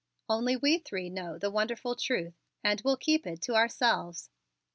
Only we three know the wonderful truth and we'll keep it to ourselves."